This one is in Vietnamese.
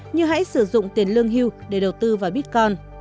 như hãy sử dụng tiền lương hưu để đầu tư vào bitcoin